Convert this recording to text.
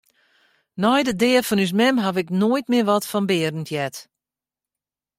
Nei de dea fan ús mem haw ik nea mear wat fan Berend heard.